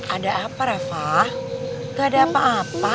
ada apa rafa gak ada apa apa